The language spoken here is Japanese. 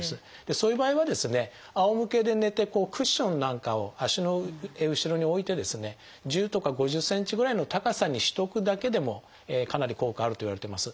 そういう場合はですねあおむけで寝てクッションなんかを足の後ろに置いてですね１０とか５０ｃｍぐらいの高さにしておくだけでもかなり効果があるといわれています。